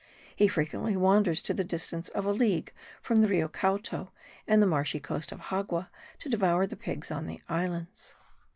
He frequently wanders to the distance of a league from the Rio Cauto and the marshy coast of Xagua to devour the pigs on the islands.